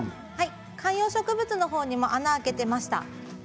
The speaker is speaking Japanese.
観葉植物の方に穴を開けていました。